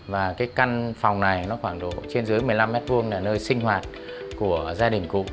và cái căn phòng này nó khoảng độ trên dưới một mươi năm m hai là nơi sinh hoạt của gia đình cụ